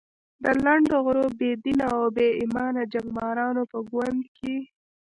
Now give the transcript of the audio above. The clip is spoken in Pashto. د لنډه غرو، بې دینه او بې ایمانه جنګمارانو په ګند کې.